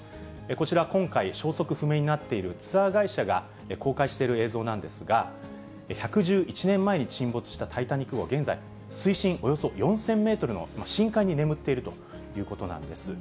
こちら、今回、消息不明になっているツアー会社が公開している映像なんですが、１１１年前に沈没したタイタニック号、現在、水深およそ４０００メートルの深海に眠っているということなんです。